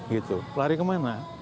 gitu lari kemana